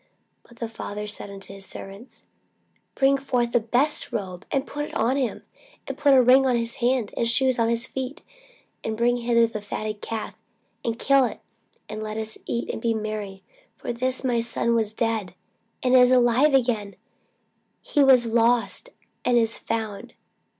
But the father said to his servants, Bring forth the best robe, and put it on him; and put a ring on his hand, and shoes on his feet: and bring hither the fatted calf, and kill it; and let us eat, and be merry: for this my son was dead, and is alive again; he was lost, and is found.